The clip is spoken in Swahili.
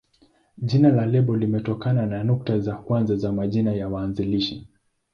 Jina la lebo limetokana na nukta za kwanza za majina ya waanzilishi.